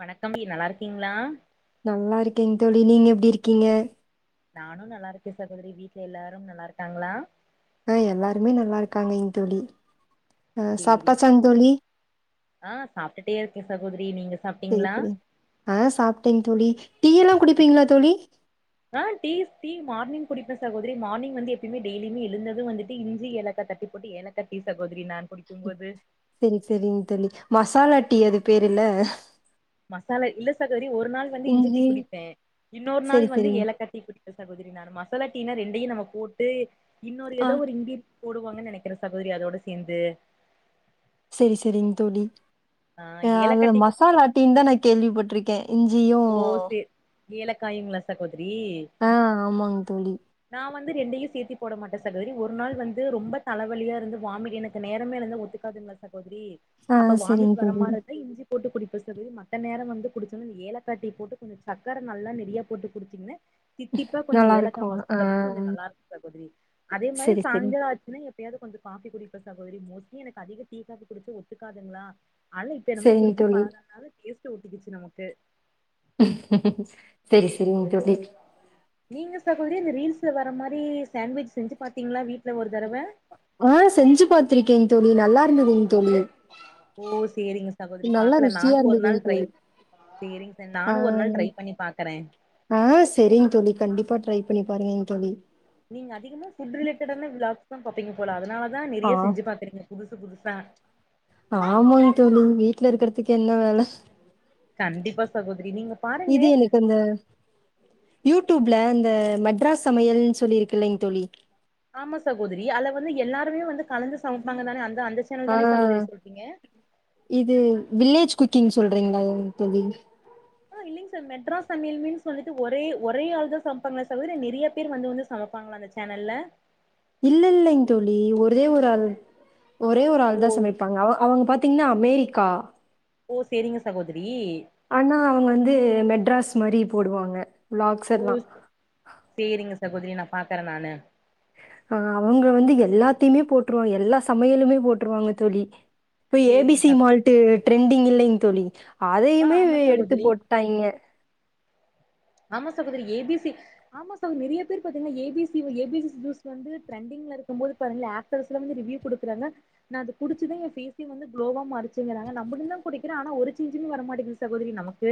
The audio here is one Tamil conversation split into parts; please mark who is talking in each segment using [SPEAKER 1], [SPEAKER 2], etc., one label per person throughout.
[SPEAKER 1] வணக்கம் நல்லா இருக்கீங்களா
[SPEAKER 2] நல்லா இருக்கேங் தோழி நீங்க எப்டிருக்கீங்க
[SPEAKER 1] நானும் நல்லாருக்கேன் சகோதரி வீட்ல எல்லாரும் நல்லாருக்காங்களா
[SPEAKER 2] அஹ் எல்லாருமே நல்லாருக்காங்கயிங் தோழி ஆ
[SPEAKER 1] சேரிங்
[SPEAKER 2] சாப்ட்டாச்சாங்
[SPEAKER 1] சகோதரி
[SPEAKER 2] தோழி
[SPEAKER 1] ஆஹ் சாப்பிட்டுட்டே இருக்கே சகோதரி நீங்க
[SPEAKER 2] செரி
[SPEAKER 1] சாப்டீங்களா
[SPEAKER 2] செரி ஆ சாப்ட்டேங் தோழி டீ எல்லா குடிப்பீங்களா தோழி
[SPEAKER 1] ஆ டீ டீ மார்னிங் குடிப்ப சகோதரி மார்னிங் வந்து எப்பயுமேடெய்லுமே எழுந்ததும் வந்துட்டு இஞ்சிஏலக்கா தட்டிபோட்டு ஏலக்கா டீ சகோதரி நான் குடிக்கும் போது
[SPEAKER 2] செரி செரிங் தோழி மாஸா மசாலாடீ அது பேருல
[SPEAKER 1] மசாலா இல்ல சகோதரி ஒரு நாள் வந்து இஞ்சி டீ குடிப்பேன் இன்னொரு நாள்
[SPEAKER 2] செரி
[SPEAKER 1] வந்து
[SPEAKER 2] செரிங்
[SPEAKER 1] ஏலக்கா டீ குடிப் இல்ல சகோதரி நானும் மசாலா டீனா ரெண்டயும் நம்ம போட்டு இன்னொரு
[SPEAKER 2] ஆ
[SPEAKER 1] ஏதோ ஒரு இந்திய போடுவாங்கன்னு நெனைக்கிறேன் சகோதரி அதோட சேந்து
[SPEAKER 2] செரி செரிங் தோழி ஆ அது
[SPEAKER 1] ஏலக்கா டீக்கு
[SPEAKER 2] மசாலா டீன்னு தான் நான் கேள்விப்பட்ருக்கேன்
[SPEAKER 1] ஓ சேர் ஏல காய்ங்கலா சகோதரி
[SPEAKER 2] ஆ ஆமாங் தோழி
[SPEAKER 1] நான் வந்து ரெண்டையும் சேத்தி போட மாட்டேன் சகோதரி ஒரு நாள் வந்து ரொம்ப தலைவலியா இருந்து வாமிட் எனக்கு நேரமே இருந்து ஒத்துக்காதுங்களா சகோதரி
[SPEAKER 2] ஆ
[SPEAKER 1] அப்ப
[SPEAKER 2] செரிங்
[SPEAKER 1] வாமிட் வர
[SPEAKER 2] தோழி
[SPEAKER 1] மாரி இருந்தா இஞ்சி போட்டு குடி பிஸ்தது மத்த நேரம் வந்து குடிச்ச ஏலக் தட்டி போட்டு கொஞ்சம் சக்கர நல்லா நறையா போட்டு குடிச்சீங்னா தித்திப்பா கொஞ்சம்
[SPEAKER 2] நல்லா
[SPEAKER 1] ஏலக்கா
[SPEAKER 2] இருக்கு ஆ
[SPEAKER 1] மாசக்கிறதுக்கு கொஞ்சோம் நல்லா இருக்கும் சகோதரி அதே மாரி
[SPEAKER 2] செரி செரி
[SPEAKER 1] சாயங்காலம் ஆச்சுன்னா எப்பயாவது கொஞ்ச காபி குடி சகோதரி மோஸ்ட்லி எனக்கு அதிக டீ காபி குடிச்ச ஒத்துக்காதுங்களா அல இப்ப என்னமோ
[SPEAKER 2] செரிங்
[SPEAKER 1] குடிச்சி
[SPEAKER 2] தோழி
[SPEAKER 1] பழகதனால டேஸ்ட் ட்டு ஊத்திக்குச்சு நமக்கு
[SPEAKER 2] ஹ்ம் செரி செரிங் தோழி
[SPEAKER 1] நீங்க சகோதரி இந்த ரீல்ஸ்ல வர மாரி சாண்ட்விச் செஞ்சு பாத்
[SPEAKER 2] ஆ செஞ்சு பாத்திருக்கேன் தோழி இது நல்லா இருந்ததுங் தோழி
[SPEAKER 1] ஓ செரிங்க சகோதரி
[SPEAKER 2] நல்லா
[SPEAKER 1] பாக்கலா
[SPEAKER 2] ருசியா
[SPEAKER 1] நானும் ஒரு
[SPEAKER 2] இருந்ததுங்
[SPEAKER 1] நாள் ட்ரை
[SPEAKER 2] தோழி
[SPEAKER 1] சரிங்க சார்
[SPEAKER 2] ஆ
[SPEAKER 1] நானும் ஒரு நாள் ட்ரை பண்ணி பாக்குறேன்
[SPEAKER 2] ஆ செரிங் தோழி கண்டிப்பா ட்ரை பண்ணி பாருங்க தோழி
[SPEAKER 1] நீங்க அதிகமா ஃபுட் ரிலேட்டடான விளாக்ஸ் பாப்பீங்க போல அதனால தான்
[SPEAKER 2] ஆ
[SPEAKER 1] நெறைய செஞ்ச பாத்திருக்கங்க புதுசு புதுசு ஹா
[SPEAKER 2] ஆமாங் தோழி வீட்ல இருக்குறதுக்கு என்ன வேல
[SPEAKER 1] கண்டிப்பா சகோதிரி நீங்க பாருங்க
[SPEAKER 2] இது எனக்கு அந்த யூடியூப்ல இந்த மெட்ராஸ் சமையல்னு சொல்லி இருக்குங்கால தோழி
[SPEAKER 1] ஆமா சகோதரி அதுல வந்து எல்லாருமே வந்து கலந்து சமைப்பாங்க தானே அந்த அந்த சேனல்
[SPEAKER 2] ஆ
[SPEAKER 1] தானே சகோதரி சொல்றீங்க
[SPEAKER 2] இது வில்லேஜ் குக்கிங் சொல்றீங்களா தோழி
[SPEAKER 1] ஆஹ இல்லைங்க சார் மெட்ராஸ் சமையல் மீன்ஸ் வந்துட்டு ஒரே ஒரே ஆள் தான் சமைப்பாங்களா சார் நிறைய பேர் வந்து வந்து சமைப்பாங்களா அந்த சேனல்ல
[SPEAKER 2] இல்ல இல்லைங்க் தோழி ஒரே ஒரு ஆள் ஒரே ஒரு
[SPEAKER 1] ஓ
[SPEAKER 2] ஆள் தான் சமைப்பாங்க அவங்க பாத் பாத்தீங்கன்னா அமெரிக்கா
[SPEAKER 1] ஓ சேரிங்க சகோதிரி
[SPEAKER 2] ஆனா அவங்க வந்து மெட்ராஸ் மாரி போடுவாங்க விளாக்ஸ்
[SPEAKER 1] ஓ
[SPEAKER 2] எல்லா
[SPEAKER 1] சேரிங்க சகோதரி நான் பாக்குறேன் நானு
[SPEAKER 2] அஹ் அவங்க வந்து எல்லாத்தையுமே போட்டுருவாங்க எல்லா சமையலுமே போட்டுருவாங்க தோழி இப்ப
[SPEAKER 1] சேரிங்க
[SPEAKER 2] ஏபிசி
[SPEAKER 1] சகோ
[SPEAKER 2] மால்ட் ட்ரெண்டிங் இல்லங்க தோழி
[SPEAKER 1] ஆ
[SPEAKER 2] அதையுமே
[SPEAKER 1] ஆமா
[SPEAKER 2] எடுத்து
[SPEAKER 1] சகோதரி
[SPEAKER 2] போட்டாயிங்க
[SPEAKER 1] ஆமா சகோதரி ஏபிசி ஆமா சகோரி நிறைய பேர் பாத்தீங்கன்னா ஏபிசி ஏபிசி ஜூஸ் வந்து ட்ரெண்டிங்ல இருக்கும்போது பாத்தீங்கா ஆக்டர்ஸ்ல வந்து ரிவியூ குடுக்குறாங்க நான் அது குடிச்சுதான் என் பேஸே வந்து குளோவா மறுச்சுங்கிறாங்க நம்மட தான் குடிக்கிறேன் ஆனா ஒரு செஞ்சுமே வரமாட்டேங்குது சகோதரி நமக்கு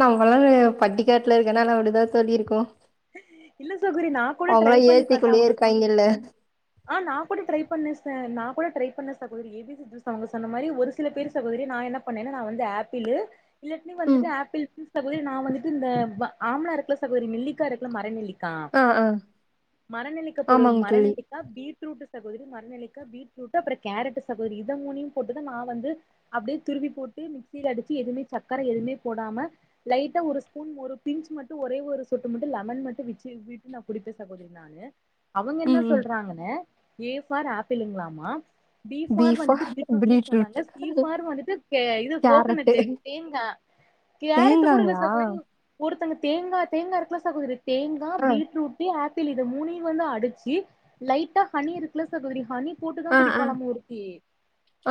[SPEAKER 2] நம்மல்லாம் பட்டிக்காட்டுல இருக்குறது நால அப்படிதான் தோலியிருக்கோ
[SPEAKER 1] இல்ல சகோதரி நா கூட ட்ரை பண்ணி பார்த்தேன்
[SPEAKER 2] ஏசிக்குள்ளேயே
[SPEAKER 1] அவங்க சொன்ன
[SPEAKER 2] இருக்காய்ங்கல்ல.
[SPEAKER 1] ஆஹ நா கூட ட்ரை பண்ணே நா கூ கூட ட்ரை பண்ண சகோதரி அவங்க சொன்ன மாரி ஒரு சில பேர் சகோதரி நான் என்ன பண்ணே நான் வந்து ஆப்பிளு இல்லான
[SPEAKER 2] ம்.
[SPEAKER 1] வந்துட்டு ஆப்பிள் சகோதரி நான் வந்துட்டு இந்த ஆம்லா இருக்கல சகோதரி நெல்லிக்கா இருக்கல மர நெல்லி கா
[SPEAKER 2] ஆ ஆ
[SPEAKER 1] மரநெல்லிக்க போடு
[SPEAKER 2] ஆமாங்க தோழி.
[SPEAKER 1] மரநெல்லிக்கா பீட்ரூட் சகோதரி மரநெல்லிக்கா பீட்ரூட் அப்றோ கேரட் சகோதரி இத மூனையு போட்டுதான் நான் வந்து அப்படியே துருவி போட்டு மிக்சியில அடிச்சி எதுவுமே சக்கர எதுவுமே போடாம லைட்டா ஒருஸ்பூன் ஒரு பிஞ் மட்டும் ஒரே ஒரு சொட்டு மட்டும் லெமன் மட் விச்சு வீட்டு நான் குடிப்பேன் சகோதிரிநானு அவங்க என்ன
[SPEAKER 2] ம் ம்.
[SPEAKER 1] சொல்றாங்கன்னு ஏபார் ஆப்பிளுங்களாமா பி ஃபார் வந்துட்டு பீட்ரூட் சொன்னாங்க சிஃபார் வந்துட்டு இது
[SPEAKER 2] கேரட்டு
[SPEAKER 1] கோகனட்டு தேங்காய் கேரட் கூட இல்ல
[SPEAKER 2] தேங்காங்களா?
[SPEAKER 1] சார் ஒருத்தங்க தேங்கா தேங்கா இருக்குல சகோதிரி தேங்காய்
[SPEAKER 2] ஆ
[SPEAKER 1] பீட்ரூட்டு ஆப் பில் இத மூனையு வந்து அடிச்சு லைட்டா ஹனி இருக்குல சகோதரி ஹனி போட்டுதான்
[SPEAKER 2] ஆ ஆ
[SPEAKER 1] குடிப்பாளா ஓருத்தி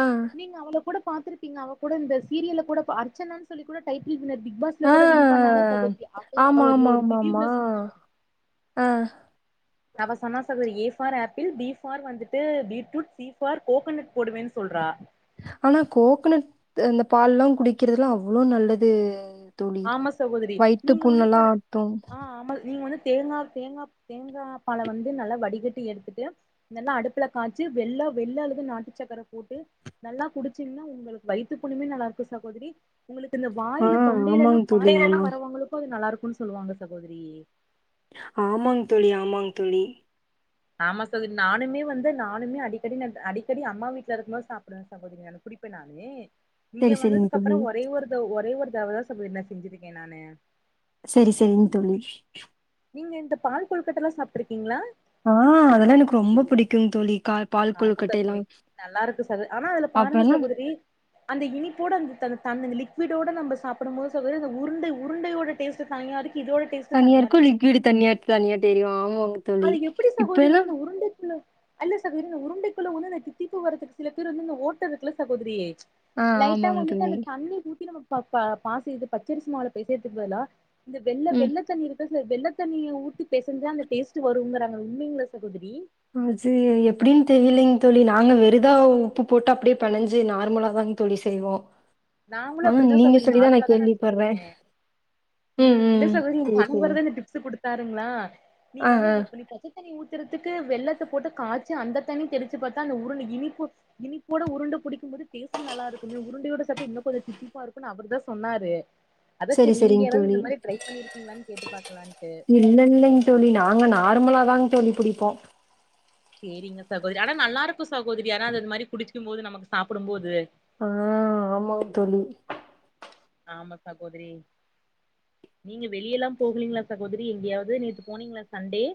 [SPEAKER 2] ஆ
[SPEAKER 1] நீங்க அவள கூட பார்த்திருப்பீங்க அவ கூட இந்த சீரியல கூட அர்ச்சனானு சொல்லி கூட டைட் பிக் பாஸ்ல
[SPEAKER 2] ஆ
[SPEAKER 1] கூட வின் பண்ணாலே அவ ஒரு
[SPEAKER 2] ஹ
[SPEAKER 1] பிடுவ்லஸ்
[SPEAKER 2] ஆஹ்
[SPEAKER 1] ந சொன்னா A for apple B for வந்துட்டு பீட்ரூட் சி ஃபார் கோக்கனட் போடுவேன்னு சொல்றா
[SPEAKER 2] ஆனா கோகனட் அந்த பால் லா குடிக்கிறதெல்லா அவ்வளவு நல்லது தோழி
[SPEAKER 1] ஆமா சகோதரி
[SPEAKER 2] வயித்து
[SPEAKER 1] நீங்க வந்து
[SPEAKER 2] புண்ணெல்லா
[SPEAKER 1] பர
[SPEAKER 2] ஆத்து
[SPEAKER 1] ஆ ஆமா நீங்க வந்து தேங்கா தேங்கா தேங்கா பால வந்து நல்லா வடிகட்டி எடுத்துட்டு நல்லா அடுப்புல காச்சி வெள்ள வெள்ள அல்லது நாட்டு சக்கரை போட்டு நல்லா குடிச்சீங்கன்னா உங்களுக்கு வயித்து புண்ணுமே நல்லா இருக்கு சகோதரி உங்களுக்கு இந்த
[SPEAKER 2] ஆ
[SPEAKER 1] வாயில தொண் எல்லா
[SPEAKER 2] ஆமாங்
[SPEAKER 1] வாயு
[SPEAKER 2] தோழி
[SPEAKER 1] புண்
[SPEAKER 2] ஆமா
[SPEAKER 1] வரவங்களுக்கு அது நல்லா இருக்கு ன்னு சொல்லுவாங்க சகோதரி
[SPEAKER 2] ஆமாங் தோழி ஆமாங் தோழி
[SPEAKER 1] ஆமா சகோதரி நானுமே வந்து நானுமே அடிக்கடி நா அடிக்கடி அம்மா வீட்டுல இருக்கும்போது சாப்டுவே சகோதரி நா குடிப்பே நானு இங்க
[SPEAKER 2] செரி செரிங்க
[SPEAKER 1] வந்ததுக்கு
[SPEAKER 2] தோழி
[SPEAKER 1] அப்புற ஒரே ஒரு ஒரே ஒரு நேத்து அவ தான் சொல்லிருந்தா செஞ்சிருக்கே நானு
[SPEAKER 2] செரி செரிங்க தோழி
[SPEAKER 1] நீங்க இந்த பால் கொழுக்கட்டல்லா சாப்ட்டுருக்கீங்களா
[SPEAKER 2] ஆ அதெல்லா எனக்கு ரொம்ப புடிக்கும் தோழி கா பால்
[SPEAKER 1] ஆமா
[SPEAKER 2] கொழுக்கட்டைலா
[SPEAKER 1] சகோதரி நல்லா இருக்கு சக ஆனா அதுல பாருங்க
[SPEAKER 2] அப்பெல்லா
[SPEAKER 1] சகோதரி அந்த இனிப்போட அந்த தண் தண் லிக்விடோட நம்ம சாப்டும் போது சகோதரி அந்த உருண்டை உருண்டையோட டேஸ்ட் தனியா இருக்கு இதோட டேஸ்ட்
[SPEAKER 2] தனியா இருக்கு
[SPEAKER 1] அந்த
[SPEAKER 2] லிக்விடு
[SPEAKER 1] உருண்டைக்குள்ள
[SPEAKER 2] தனியா தெரியு ஆமாங்க தோழி
[SPEAKER 1] அது எப்படி
[SPEAKER 2] இப்ப
[SPEAKER 1] சகோதரி
[SPEAKER 2] எல்லா
[SPEAKER 1] வந்து இந்த உருண்டைக்குள்ள அல்ல சகோதரி உருண்டைக்குள்ள உன்னு தித்திப்பு வர்றக்கு சில பேர் வந்து ஓட்டருக்குல சகோதரி
[SPEAKER 2] ஆ
[SPEAKER 1] லைட்டா
[SPEAKER 2] ஆமாங்க
[SPEAKER 1] வந்துட்டு
[SPEAKER 2] தோழி
[SPEAKER 1] அந்த தண்ணி ஊத்தி நம்ம பாத்தா பாஸ் இது பச்சரிசு மாவுல பெசைரதுக்கு பதிலா இந்த வெள்ள
[SPEAKER 2] ம்
[SPEAKER 1] வெள்ள தண்ணி இருக்க வெள்ள தண்ணிய ஊத்தி பெசஞ்சா அந்த டேஸ்ட்டு வருங்குறாங்க உண்மையங்களா சகோதரி
[SPEAKER 2] அது எப்டின்னு தெரியலங்க தோழி நாங்க வெறுதா உப்பு போட்டு அப்டியே பெனஞ்சி நார்மலா தான்ங்க தோழி செய்வோ
[SPEAKER 1] நாங்களு
[SPEAKER 2] ஆனா
[SPEAKER 1] அப்டி தா
[SPEAKER 2] நீங்க
[SPEAKER 1] சகோதரி
[SPEAKER 2] சொல்லிதா
[SPEAKER 1] நார்மலா தா நா
[SPEAKER 2] கேள்விப்பட்றே
[SPEAKER 1] செஞ்சிருக்கே ம் இல்ல சகோதரி இவரு தா இந்த டிப்ஸ் குடுத்து தாருங்களா நீ
[SPEAKER 2] ஆ
[SPEAKER 1] வந்து
[SPEAKER 2] ஆ
[SPEAKER 1] விப்பண்ணி பாத்து சுட தண்ணி ஊத்துறதுக்கு வெள்ளத்த போட்டு காய்ச்சி அந்த தண்ணி தெரிச்சு பாத்தா அந்த உருண்ட இனிப்பு இனிப்போட உருண்டு புடிக்கும் போது டேஸ்ட் நல்லா இருக்குமே உருண்டையோட [unintelligible] இன்னு கொஞ்ஜோ தித்திப்பா இருக்குன்னு அவர் தா சொன்னாரு அதா
[SPEAKER 2] செரி
[SPEAKER 1] சேரி நீங்க
[SPEAKER 2] செரிங்
[SPEAKER 1] யாராவது
[SPEAKER 2] தோலி
[SPEAKER 1] இந்த மாரி ட்ரை பண்ணிருக்கீங்களான்னு கேட்டு பாக்கலான்ட்டு
[SPEAKER 2] இல்ல இல்லைங்க தோலி நாங்க நார்மலாதாங் தோலி புடிப்போ
[SPEAKER 1] சேரிங்க சகோதரி ஆனா நல்லா இருக்கு சகோதரி யாராது இது மாரி குடிச்சுக்கு போது நமக்கு சாப்டும் போது
[SPEAKER 2] ஆ ஆமாங்க தோழி
[SPEAKER 1] ஆமா சகோதரி நீங்க வெளியெல்லா போகலிங்களா சகோதரி எங்கேயாவது நேத்து போனீங்களா சண்டே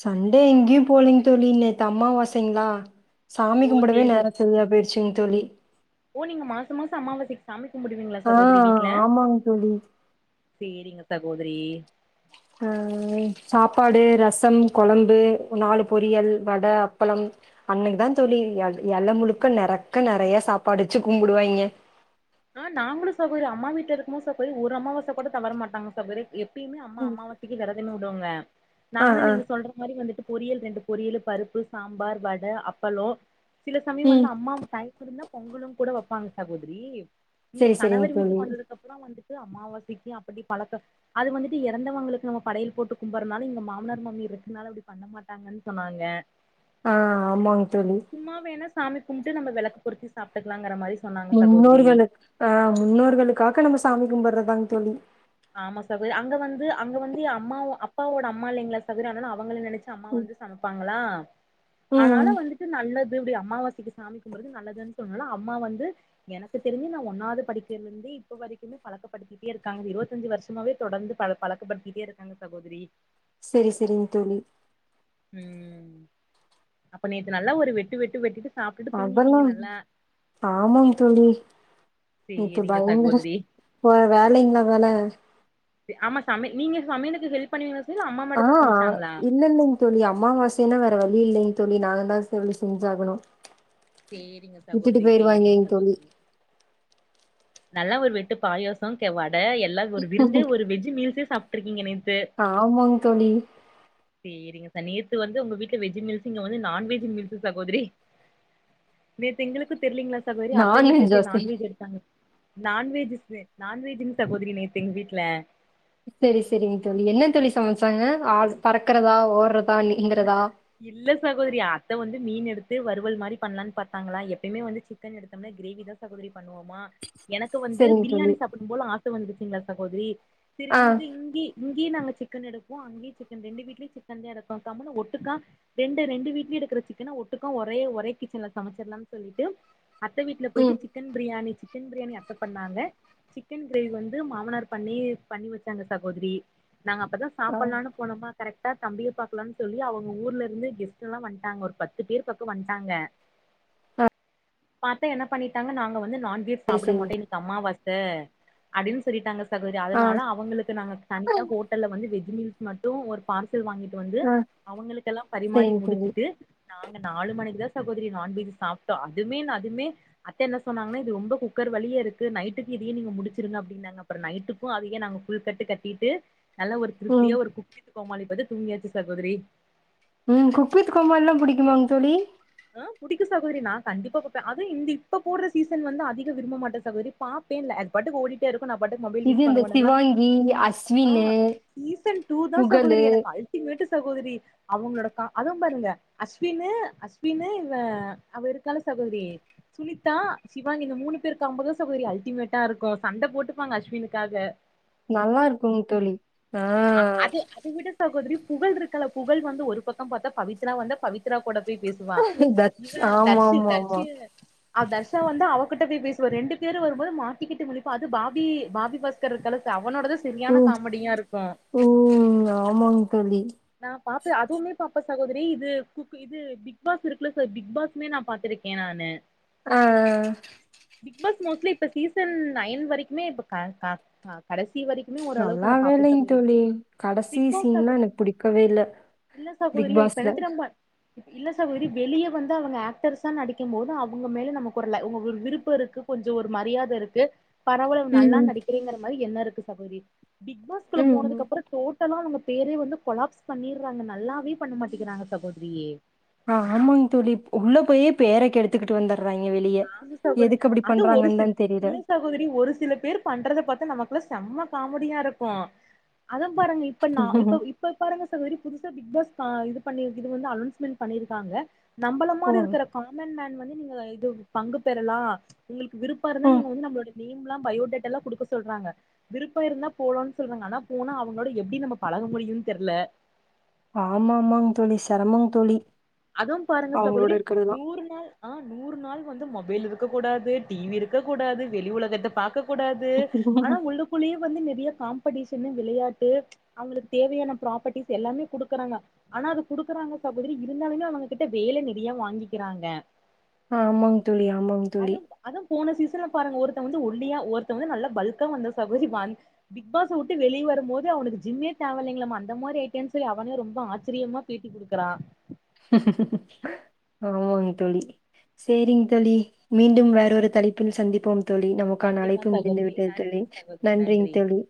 [SPEAKER 2] சண்டே எங்கயு போலிங் தோலி நேத்து அம்மாவாசைங்ளா சாமி
[SPEAKER 1] ஓ
[SPEAKER 2] கும்படவே
[SPEAKER 1] சேரி ச
[SPEAKER 2] நேரோ செரியா போய்டிச்சிங் தோழி
[SPEAKER 1] ஓ நீங்க மாசோ மாசோ அமாவசைக்கு சாமி கும்பிடுவீங்களா
[SPEAKER 2] ஆ
[SPEAKER 1] சகோதரி வீட்ல
[SPEAKER 2] ஆமாங் தோழி
[SPEAKER 1] சேரிங்க சகோதரி
[SPEAKER 2] அஹ் சாப்பாடு ரசம் குழம்பு நாலு பொரியல் வடை அப்பளம் அன்னக்கி தான் தோழி இழ முழுக்க நெறக்க நிறைய சாப்பாடு வச்சு கும்பிடுவாயங்க
[SPEAKER 1] ஆஹ் நாங்களும் சகோதரி அம்மா வீட்ல இருக்கும்போது சகோதரி ஒரு அம்மாவசை கூட தவர மாட்டாங்க சகோதரி எப் பியுமே அம்மா அமாாவசக்கு விரதும் டுங்க
[SPEAKER 2] ஆ
[SPEAKER 1] நாங்களும்
[SPEAKER 2] ஆ
[SPEAKER 1] நீங்க சொல்ற மாரி வந்துட்டு பொரியல் ரெண்டு பொரியல் பருப்பு சாம்பார் வடை அப்பளம் சில சமயம்
[SPEAKER 2] ம்
[SPEAKER 1] வந்து அம்மா டைம் இருந்தா பொங்களும் கூட வப்பாங்க சகோதரி இங்க
[SPEAKER 2] செரி செரிங்
[SPEAKER 1] கணவர்
[SPEAKER 2] தோழி
[SPEAKER 1] வீட்டுக்கு வந்ததுக்கு அப்புறம் வந்துட்டு அமாவாசைக்கு அப்படி பழக்கம் அது வந்துட்டு இறந்தவங்களுக்கு நம்ம படையல் போட்டு கும்பிடறனாலும் இங்க மாமனார் மாமி இருக்கதுனால அப்படி பண்ண மாட்டாங்கன்னு சொன்னாங்க
[SPEAKER 2] ஆஹ் ஆமாங்க தோழி
[SPEAKER 1] சும்மா வேணா சாமி கும்ப்ட்டு நம விளக்கு பொருத்தி சாப்ட்டுக்கலாங்கற மாரி சொன்னாங்க சகோதரி
[SPEAKER 2] முன்னோருகளுக்கு ஆஹ் முன்னோர்களுக்காக நம்ம சாமி கும்படுறதாங்க தோழி
[SPEAKER 1] ஆமா சகோதர் அங்க வந்து அங்க வந்து அம்மாவ அப்பாவோட அம்மா இல்லைங்களா சகோதரி ஆனாலா அவங்கள நினைச் சி அம்மா வந்து சமைப்பாங்களா
[SPEAKER 2] ம்
[SPEAKER 1] ஆனால வந்துட்டு நல்லது [unintelligible] அமாவாசைக்கு சாமிகும்புட்ரது நல்லது சொ அம்மா வந்து எனக்கு தெரிஞ்ச ஒன்னாவது படிக்கயில இருந்து இப்ப வரைக்குமே பழக்கப்படுத்திட்டே இருக்காங்க இருபத் தஞ்சு வருஷமாவே தொடர்ந்து பலக் பழக்கப்படுத்திட்டே இருக்காங்க சகோதரி
[SPEAKER 2] சரி சரிங்க தோழி
[SPEAKER 1] உம் அப்ப நேத்து நல்லா ஒரு வெட்டு வெட்டு வெட்டிட்டு சாப்ட்டுட்டு தூங்கிட்டீங்க
[SPEAKER 2] அதெல்லாம்
[SPEAKER 1] நல்லா
[SPEAKER 2] ஆமாம் தொழி இப்ப
[SPEAKER 1] சேரிங்க
[SPEAKER 2] பயங்கர
[SPEAKER 1] சகோதரி
[SPEAKER 2] போ வேலைங்கள வேலை
[SPEAKER 1] ஆமா சம நீங்க சமயலுக்கு ஹெல்ப் பண்னுவீங்களா ச
[SPEAKER 2] ஆஹ் இல்லலைங்க தோழி அம்மாவாசைன்னா வேற வழி இல்லைங்க தோழி நாங்க தான் தோழி செஞ்சாகணும்
[SPEAKER 1] சேரிங்க சகோதரி சேரிங்க
[SPEAKER 2] தோழி
[SPEAKER 1] சகோதரி நல்லா ஒரு வெட்டு பாயசம் கே வட ட எல்லா ஒரு விருந்தே ஒரு வெஜ் மீல்ஸே சாப் இருக்கீங்க நெ
[SPEAKER 2] ஆமாங் தோழி
[SPEAKER 1] ந நேத்து வந்து உங்க வீட்டுல வெஜ் மீல்ஸ்சு இங்க வந்து நான்வெஜ் மீல்ஸ்சு சகோதரி நெத் எங்களுக்கு தெரியலீங்களா சகோதரி அத்த வீட்ல
[SPEAKER 2] நான்வெஜ்ஜா
[SPEAKER 1] சரி
[SPEAKER 2] செரி
[SPEAKER 1] நான்வெஜ் எடுத்தாங்க நான்வெஜஸ்ஷு நான்வஜ்ஜூங் சகோதரி நேத்து எங்க வீட்டுல
[SPEAKER 2] சேரி சேரிங்க தோழி என்ன தோழி சமைச்சாங்க ஆ பறக்குறதா ஓடுற
[SPEAKER 1] இல்ல சகோதரி அத்த வந்து மீன் எடுத்து து வருறுவல் மாரி பண்ணலாம்னு பாத்தாங்கள எப்பமே வந்து சிக்கன் எடுத்த கிரேவி தான் சகோரி பண்ணுவோமா எனக்கு வந்து
[SPEAKER 2] செரிங்க தோழி
[SPEAKER 1] பிரியாணி சாப்பிடும் போல ஆச வந்துட் சேரிங்கள தாகோதரி சேரி
[SPEAKER 2] ஆ
[SPEAKER 1] இங்க இங்கய இங்கயே நாங்க சிக்கன் எடுப்போம் அங்கே சிக்கன் ரெண்டு வீட்லய சிக்கன் தான் எடுப் க கம்முனு ஒட்டுக்கா ரெண்டு ரெண்டு வீட்லயும் எடுக்கிற சிக்கன ஒட்டுக்க ஒரே ஒரே கிச்சன்ல சமைச்சிடலாம்னு சொல்லிட்டு அத்த வீட்டுல போயிட்டு
[SPEAKER 2] ம்
[SPEAKER 1] chicken biryani sick chicken biryani அப்ப பண்ணாங்க சிக்கன் கிரேவி வந்து மாமனார் பண்ணி பண்ணி வச்சாங்க சகோதரி நாங்க அப்பதான்
[SPEAKER 2] ஆ
[SPEAKER 1] சாப்பிடலாம்னு போனோமா கரைக்டா தம்பியை பா க்கல சொல்ல அவங்க ஊர்ல இருந்து கெஸ்ட் எல்லாம் வந்துட்டாங்க பத்து பேர் பக்கம் வந்துட்டாங்க பார்த்தா என்ன பண்ணிட்டாங்க நாங்க வந் து நான் வெஜ்
[SPEAKER 2] செரி செரிங்க
[SPEAKER 1] சாப்பிடமாட்டாங்க இன்னைக்கு அம்மாவச அஹ் அப்படின்னு சொல்லிட்டாங்க சகோதரி
[SPEAKER 2] ஆ
[SPEAKER 1] அதனால அவங்களுக்கு நாங்க தனியாக ஹோட்டல்ல வந்து வெஜ்ஜி மில் மட்டும் ஒரு பார்சல் வாங்கிட்டு வந்
[SPEAKER 2] ஆ
[SPEAKER 1] அவங்களுக்கெல்லாம் பரிமாறி
[SPEAKER 2] செரிங்க தோழி
[SPEAKER 1] முடிச்சுட்டு நாங்க நாலு மணிக்கு தான் சகோதரி நான்வெஜ் சாப்பிட்டோம் அதுமே அதுமே அத்தை என்ன சொன்னாங்கன்னா இது ரொம்ப குக்கர் வழியே இருக்கு நைட்டுக்கு இதையே நீங்க முடிச்சிருங்க அப்படின்ந்தாங்க அப்புறம் நைட்டுக்கும் அதையே நாங்க புல் கட்டு கட்டிட்டு நல்லா ஒரு
[SPEAKER 2] ம்
[SPEAKER 1] திருப்தியா ஒரு குப்பி [unintelligible] தூங்கியாச்சு சாகோதரி
[SPEAKER 2] உம் குக்வித்து கோமாளி எல்லாம் புடிக்குமாங்க தோழி
[SPEAKER 1] ஆஹ் புடிக்க சகோரி நா கண்டிப்பா இந்த இப்ப போற சீசன் வந்து அதிக விரும்ப மாட்டே சகோரி பாப்ப அதுபாட்டுக்கிடு ஓடிக்கிட்டு இருக் சோ நா பாட்டு மொபைல்
[SPEAKER 2] இது
[SPEAKER 1] யூஸ்
[SPEAKER 2] இந்த
[SPEAKER 1] பண்ணுவானுங்களா
[SPEAKER 2] சிவாங்கி, அஸ்வினு,
[SPEAKER 1] ஆஹ் சீசன் டூ தான்
[SPEAKER 2] புகழு
[SPEAKER 1] சகோதரி எனக்கு அல்டிமேட்டு சகோதரி அவங்களோட க அதுவும் பாருங்க அஸ்வினு அஸ் அஸ்வினி இல்ல அவர் இருக்காலே சகோதரி சுனிதா சிவாங்கி இந்த மூணு பேருக்கு காம்போதா சகோதரி அல்டிமேட்டா இருக்கும் சண்டை போட்டுப்பாங்க அஸ்வினுக்காக
[SPEAKER 2] நல்லா இருக்குங்க தோழி ஆ
[SPEAKER 1] ஆஹ் அது அது விட சகோதரி புகழ் இருக்குல்ல புகழ் வந்து ஒரு பக்கம் பாத்தா பவித்ரா வந்த பவித்ரா கூட போய் பேசுவான்
[SPEAKER 2] தட்ஸ்
[SPEAKER 1] இவன் தர்ஷி
[SPEAKER 2] ஆமாமாமா.
[SPEAKER 1] தரிசு அவ தர்ஷா வந்து அவகிட்ட போய் பேசுவ ரெண்டு பேரும் வரும்போது மாட்டிக்கிட்டு முழிப்பா அது பாபி ப பாஸ்கர் அவனோடதுதான் சரியான காமெடியா இருக்கு
[SPEAKER 2] உம் ஆமாங்க தோழி
[SPEAKER 1] நான் பாத்து அதுவுமே பாப்ப சகோதரி இது குக் இது பிக் பாஸ் இருக்குல்ல பிக் பாஸ்மே நான் பாத்திருக்கேன் நானு
[SPEAKER 2] ஆஹ்ஹ
[SPEAKER 1] பிக் பாஸ் மோஸ்லி இப்ப சீசன் நயன் வரைக்குமே இப்ப கடைசி வரைக்குமே ஓரளவுக்கு நா பாப்பே
[SPEAKER 2] நல்லாவேயில்லங்
[SPEAKER 1] சகோதரி
[SPEAKER 2] தோழி கடைசி
[SPEAKER 1] பிக் பாஸ்
[SPEAKER 2] சீன்லாம் எனக்கு புடிக் வேல
[SPEAKER 1] இல்ல சகோதரி
[SPEAKER 2] பிக்
[SPEAKER 1] இப்ப என்ன
[SPEAKER 2] பாஸ்ல
[SPEAKER 1] தெரிமா இல்ல சாகோதரி வெளியே வந்து அவுங்க ஆக்டர்ஸா நடிக்கும் போது அவுங்க மேல நமக்கு ஒரு உங்க விருப்பம் இருக்கு கொஞ்சம் ஒரு மரியாதை இருக்கு பரவால நல்லா
[SPEAKER 2] ம்
[SPEAKER 1] நடிக்கிறேங்கற மாதிரி எண்ணம் இருக்கு சகோதரி பிக் பாஸ்குள்ள போனது
[SPEAKER 2] ம்.
[SPEAKER 1] அப்புறம் டோட் இத்தன நாள் நம்ம பேரே வந்து கொலாப்ஸ் பண்ணிறாங்க நல்லாவே பண்ண மாட்டேங்கிறாங்க சகோதரி
[SPEAKER 2] ஆஹ் ‌ஆமாங் தோழி உள்ள போயி பேர கெடுத்துக்கிட்டு வந்துரு
[SPEAKER 1] ஆமங் சகோதரி அது ஒரு
[SPEAKER 2] தான் தெரில.
[SPEAKER 1] இல்ல சகோதரி ஒரு சில பேர் பண்றத பாத்தா நமக்கு செம்ம காமெடியா இருக்கும் அத பாருங்க இப்ப நான் இப்ப இப்ப பாருங்க சகோதரி புதுச பிக் பாஸ் இ பண்ணி இது வந்து அனௌன்ஸ்மெண்ட் பண்ணிருக்காங்க நம்பள
[SPEAKER 2] ஓ
[SPEAKER 1] மாதிரி இருக்கிற காமன் மேன் வந்து நீங்க ஆஹ் இது பங்கு பெறலாம் உங்களுக்கு விருப்பம் இருந்தா நீ
[SPEAKER 2] ம்
[SPEAKER 1] வந்து நம்மளோட நேம் எல்லாம் பயோடேட்டா எல்லாம் குடுக்க சொல்றாங்க விருப்பம் இருந்தா போலோம்னு சொல்றாங்க ஆனா போனா அவுங்களோட எப்டி நம்ம பழக முடியும்னு தெர்ல
[SPEAKER 2] ஆமா ஆமாங்க தோழி செரமங் தோழி
[SPEAKER 1] அதுவும் பாருங்க
[SPEAKER 2] அவங்களோட
[SPEAKER 1] சகோதரி
[SPEAKER 2] இருக்கறதுலாம்.
[SPEAKER 1] நூறு நாள் ஆஹ் நூறு நாள் வந்து மொபைல் இருக் கூடாது டிவி இருக்கக் கூடாது வெளி உலகத்தை பாக்க கூடாது ஆனா உள்ளுக்குள்ளேயே வந்து நெறைய காம்படிஷன் வெளையாட்டு அவுங்களுக்கு தேவையான ப்ராப்பரிஸ் எல்லாமே குடுக்குறாங்க ஆனா அது குடுக்கறாங்க சகோதரி இருந்தாலுமே அவுங்ககிட்ட வேலை நேறையா வாங்கிக்கிறாங்க
[SPEAKER 2] ஆமாங் தோழி ஆமாங் தோழி
[SPEAKER 1] ஒருத்தன் வந்து ஒல்லியா ஒருத்தன் வந்து நல்ல பல்கா வந்து பிக் பாஸ் வுட்டு வெளியே வரும் போது அவனுக்கு ஜிம்மே தேவல்லையாமா ரொம்ப ஆச்சரியமா பேட்டிகுடுக்கறான்
[SPEAKER 2] ஆமாங்க தோழி சேரிங் தோழி மீண்டும் வேற ஒரு தலைப்பில் சந்திப்போம் தோழி நமக்கான
[SPEAKER 1] கண்டிப்பா
[SPEAKER 2] அழைப்பு முடிந்து
[SPEAKER 1] சகோதரி
[SPEAKER 2] விட்டது தோழி
[SPEAKER 1] நன்றிங் சகோதரி
[SPEAKER 2] நன்றிங்க
[SPEAKER 1] நன்றி
[SPEAKER 2] தோழி